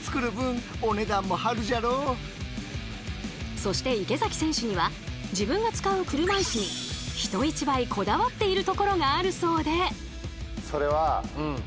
そして池崎選手には自分が使う車いすに人一倍こだわっているところがあるそうで。